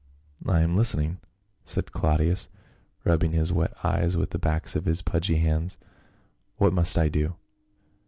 " I am listening," said Claudius, rubbing his wet eyes with the backs of his pudgy hands. "What must I do?"